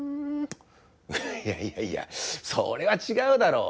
「いやいやいやそれはちがうだろう。